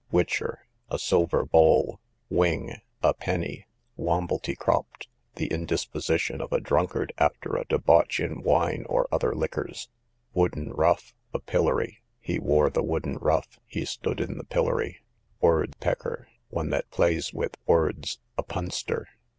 Witcher, a silver bowl. Wing, a penny. Womblety cropt, the indisposition of a drunkard after a debauch in wine or other liquors. Wooden Ruff, a pillory; he wore the wooden ruff, he stood in the pillory. Word pecker, one that plays with words, a punster.